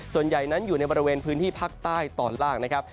ส่วนใหญ่นั้นอยู่ในบริเวณพื้นที่ภาคใต้ตอนล่างนะครับ